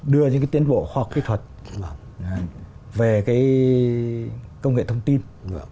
đưa những cái tiến bộ hoặc kỹ thuật về cái công nghệ thông tin